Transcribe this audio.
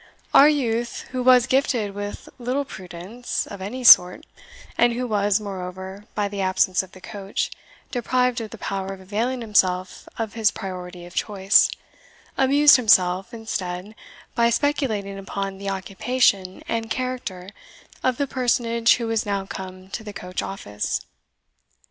Our youth, who was gifted with little prudence, of any sort, and who was, moreover, by the absence of the coach, deprived of the power of availing himself of his priority of choice, amused himself, instead, by speculating upon the occupation and character of the personage who was now come to the coach office.